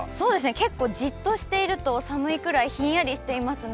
結構じっとしていると寒いくらいひんやりしていますね。